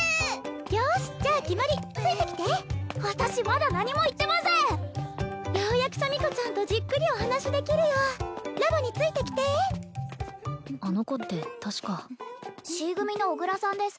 よしじゃ決まりついてきて私まだ何も言ってませんようやくシャミ子ちゃんとじっくりお話しできるよラボについてきてあの子って確かＣ組の小倉さんです